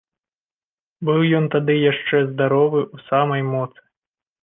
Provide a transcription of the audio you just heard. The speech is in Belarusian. Быў ён тады яшчэ здаровы, у самай моцы.